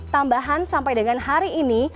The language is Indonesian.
tambahan sampai dengan hari ini